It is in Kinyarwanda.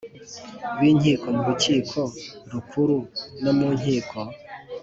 b inkiko mu Rukiko Rukuru no mu Nkiko